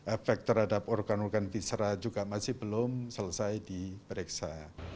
efek terhadap organ organ diserah juga masih belum selesai diperiksa